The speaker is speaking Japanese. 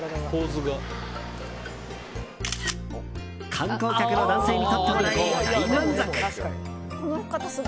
観光客の男性に撮ってもらい大満足！